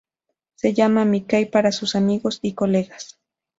Se llamaba Mickey para sus amigos y colegas.